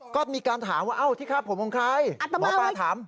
ก็มีการถามว่าเอ้าที่ฆ่าผมของใครหมอปลาถาม